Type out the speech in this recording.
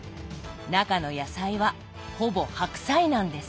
中の野菜はほぼ白菜なんです。